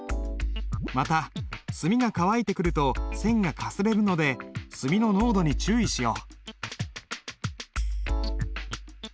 また墨が乾いてくると線がかすれるので墨の濃度に注意しよう。